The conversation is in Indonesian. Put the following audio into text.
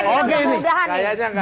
kita udah mudah mudahan nih